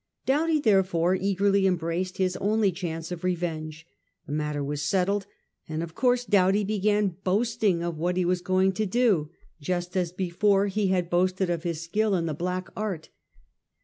Doughty, therefore, eagerly embraced his only chance 'of revenge. The matter was settled; and of course Doughty began boasting of what he was going to do, just as before he had boasted of his skill in the Black Art.